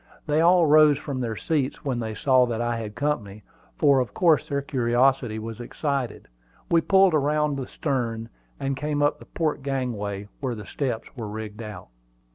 They all rose from their seats when they saw that I had company, for of course their curiosity was excited. We pulled around the stern, and came up to the port gangway, where the steps were rigged out.